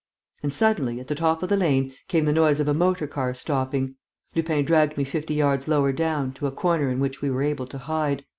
And, suddenly, at the top of the lane, came the noise of a motor car stopping.... Lupin dragged me fifty yards lower down, to a corner in which we were able to hide.